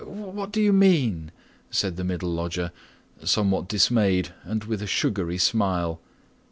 "What do you mean?" said the middle lodger, somewhat dismayed and with a sugary smile.